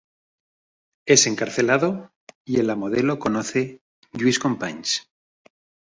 Es encarcelado y en la Modelo conoce Lluís Companys.